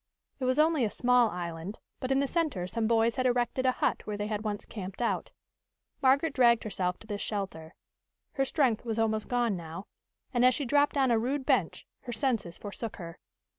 It was only a small island, but in the center some boys had erected a hut where they had once camped out. Margaret dragged herself to this shelter. Her strength was almost gone now, and, as she dropped on a rude bench, her senses forsook her.